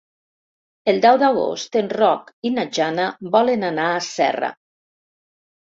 El deu d'agost en Roc i na Jana volen anar a Serra.